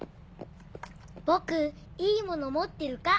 僕いいもの持ってるか？